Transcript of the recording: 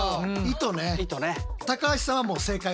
糸ね。